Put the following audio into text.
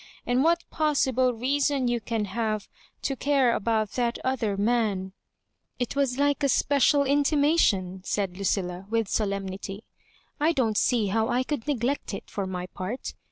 And what possible reason you can have to care about that other man "" It was like a special Intimation," said Lucil la, with solemnity. " I don't see how I could neglect it, for my part.